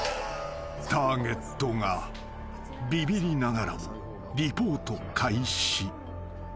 ［ターゲットがビビりながらもリポート開始］